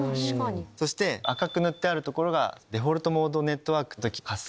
そして赤く塗ってある所がデフォルトモードネットワークの時。